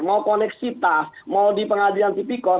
mau koneksitas mau di pengadilan tipikor